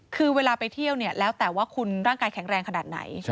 คือเวลาไปเที่ยวเนี่ยแล้วแต่ว่าคุณร่างกายแข็งแรงขนาดไหน